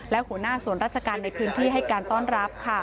และหัวหน้าส่วนราชการในพื้นที่ให้การต้อนรับ